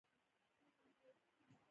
عدالت د ذاتي کرامت له لوازمو څخه دی.